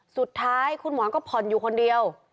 สุดท้ายคุณหมอก็ผ่อนอยู่คนเดียว